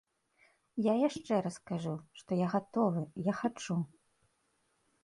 Я яшчэ раз кажу, што я гатовы, я хачу.